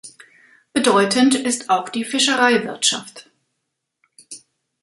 Bedeutend ist auch die Fischereiwirtschaft.